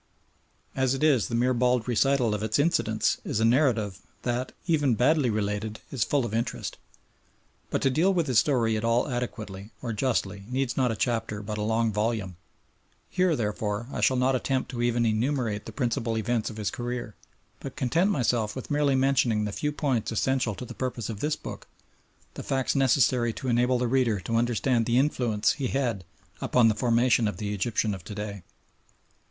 As it is, the mere bald recital of its incidents is a narrative that, even badly related, is full of interest. But to deal with his story at all adequately or justly needs not a chapter but a long volume. Here, therefore, I shall not attempt to even enumerate the principal events of his career, but content myself with merely mentioning the few points essential to the purpose of this book, the facts necessary to enable the reader to understand the influence he had upon the formation of the Egyptian of to day.